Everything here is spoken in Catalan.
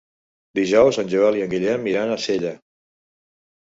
Dijous en Joel i en Guillem iran a Sella.